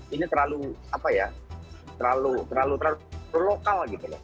ini terlalu apa ya terlalu lokal gitu loh